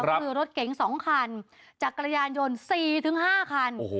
ก็คือรถเก๋งสองคันจากกระยานยนต์สี่ถึงห้าคัน